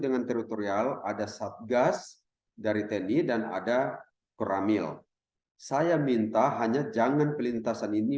dengan teritorial ada satgas dari tni dan ada koramil saya minta hanya jangan pelintasan ini